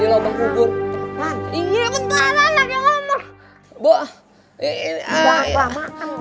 eh lu udah nangis